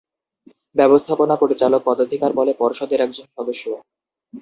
ব্যবস্থাপনা পরিচালক পদাধিকার বলে পর্ষদের একজন সদস্য।